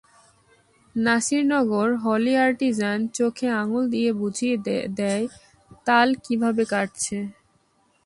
Nasirnagar, Holey Artisan চোখে আঙুল দিয়ে বুঝিয়ে দেয় তাল কীভাবে কাটছে।